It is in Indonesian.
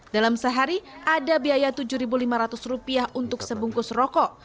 dalam sehari ada biaya rp tujuh lima ratus untuk sebungkus rokok